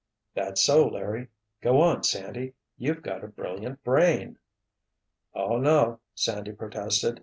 "That's so, Larry. Go on, Sandy. You've got a brilliant brain!" "Oh, no," Sandy protested.